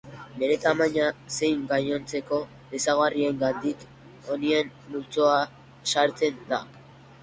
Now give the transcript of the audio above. Bere tamaina zein gainontzeko ezaugarriengatik, ponien multzoan sartzen da.